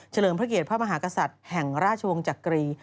เลิมพระเกียรติพระมหากษัตริย์แห่งราชวงศ์จักรี